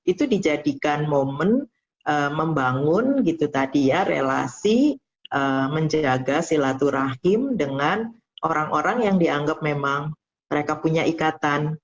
itu dijadikan momen membangun gitu tadi ya relasi menjaga silaturahim dengan orang orang yang dianggap memang mereka punya ikatan